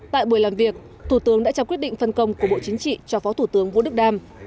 tại buổi làm việc thủ tướng đã trao quyết định phân công của bộ chính trị cho phó thủ tướng vũ đức đam